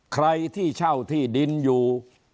ใครที่เช่าที่ดินอยู่